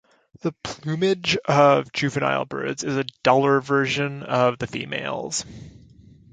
The plumage of juvenile birds is a duller version of the female's.